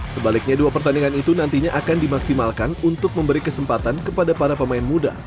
sebaliknya dua pertandingan itu nantinya akan dimaksimalkan untuk memberi kesempatan kepada para pemain muda